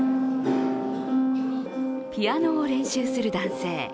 ピアノを練習する男性。